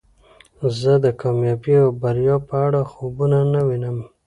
زه د کامیابی او بریا په اړه خوبونه نه وینم